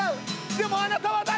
でもあなたは誰！？